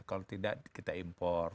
kalau tidak kita impor